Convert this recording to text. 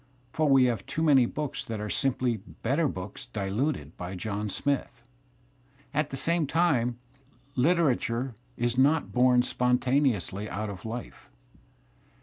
For we have too many books that are simply better books diluted by John Smith. ' At the same time, literature is not bom spontaneously out ^ of life.